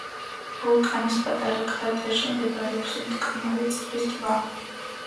ვულკანის პატარა კრატერში მდებარეობს მტკნარი წყლის ტბა.